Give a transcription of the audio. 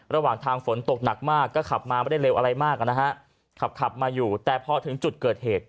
ระหว่างทางฝนตกหนักมากก็ขับมาไม่ได้เร็วอะไรมากนะฮะขับขับมาอยู่แต่พอถึงจุดเกิดเหตุ